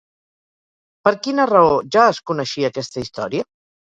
Per quina raó ja es coneixia aquesta història?